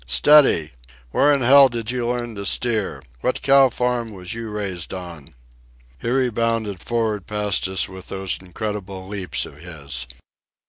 Steady! Where in hell did you learn to steer? What cow farm was you raised on?" Here he bounded for'ard past us with those incredible leaps of his.